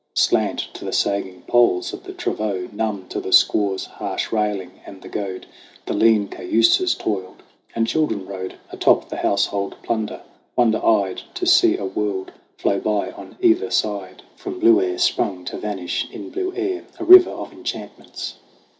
Slant to the sagging poles of the travaux, Numb to the squaw's harsh railing and the goad, The lean cayuses toiled. And children rode A top the household plunder, wonder eyed To see a world flow by on either side, THE CRAWL 77 From blue air sprung to vanish in blue air, A river of enchantments.